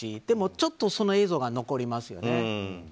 でもちょっとその映像が残りますよね。